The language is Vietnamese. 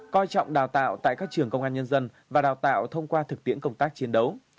coi trọng đào tạo tại các trường công an nhân dân và đào tạo thông qua thực tiễn công tác chiến đấu